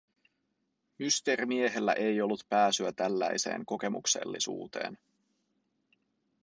Mysteerimiehellä ei ollut pääsyä tällaiseen kokemuksellisuuteen.